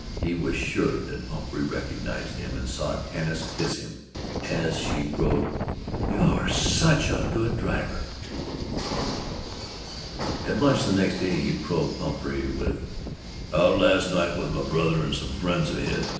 He was sure that Pumphrey recognized him and saw Tanis kiss him as she crowed, "You're such a good driver!" At lunch next day he probed Pumphrey with "Out last night with my brother and some friends of his.